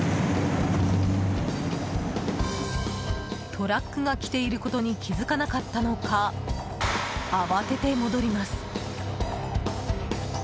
トラックが来ていることに気づかなかったのか慌てて戻ります。